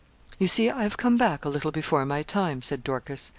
'You see, I have come back a little before my time,' said Dorcas.